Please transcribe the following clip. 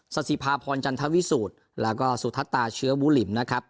สถิภาพรจันทวิสูจน์แล้วก็สุทัศตาเชื้อบูหลิมนะครับ